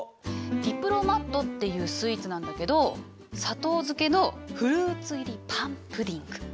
ディプロマットっていうスイーツなんだけど砂糖漬けのフルーツ入りパンプディング。